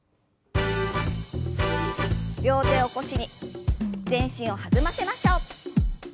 両手を腰に全身を弾ませましょう。